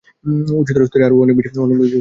উচ্চতর স্তরে আরও অনেক বেশী আনন্দ পাওয়া যায়।